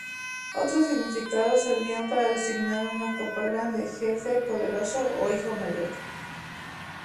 Otros significados servían para designar una "copa grande", "jefe", "poderoso" o "hijo mayor".